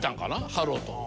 ハローと。